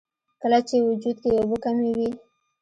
کله چې وجود کښې اوبۀ کمې وي